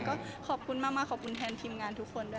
ก็ขอบคุณมากขอบคุณแทนทีมงานทุกคนด้วย